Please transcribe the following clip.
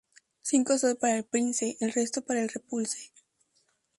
Cinco son para el Prince, el resto para el Repulse.